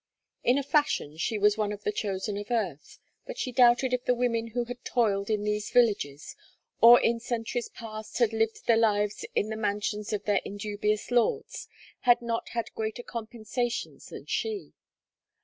In a fashion she was one of the chosen of earth, but she doubted if the women who had toiled in these villages, or in centuries past had lived their lives in the mansions of their indubious lords, had not had greater compensations than she.